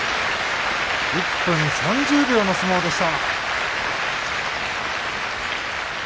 １分３０秒の相撲でした。